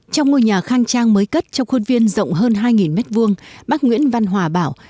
trong ngôi nhà khang trang mới cất trong khuôn viên rộng hơn hai m hai bác nguyễn văn hòa bảo